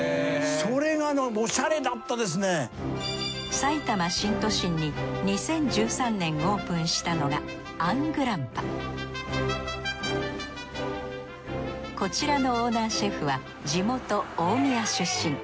さいたま新都心に２０１３年オープンしたのがこちらのオーナーシェフは地元大宮出身。